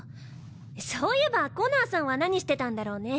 そういえばコナーさんは何してたんだろうね。